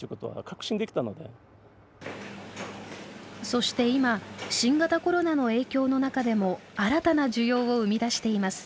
そして今新型コロナの影響の中でも新たな需要を生み出しています。